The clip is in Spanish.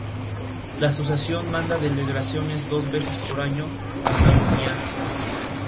Realizada la vela, la Virgen regresaba a su templo en procesión popular.